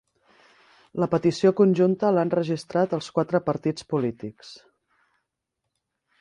La petició conjunta l'han registrat els quatre partits polítics